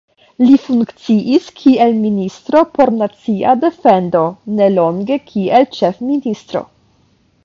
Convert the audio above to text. Li funkciis kiel ministro por nacia defendo, nelonge kiel ĉefministro.